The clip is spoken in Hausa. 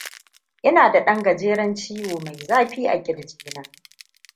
Ina da ɗan gajeren ciwo mai zafi a kirji na